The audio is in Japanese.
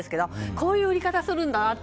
こういう売り方をするんだなと。